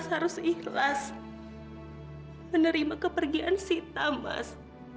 mas harus ikhlas menerima kepergian sita mas